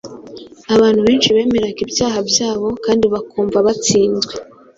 abantu benshi bemeraga ibyaha byabo kandi bakumva batsinzwe.